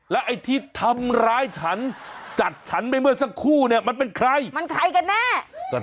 ไอ้ที่ทำร้ายฉันจัดฉันไปเมื่อสักครู่เนี่ยมันเป็นใครมันใครกันแน่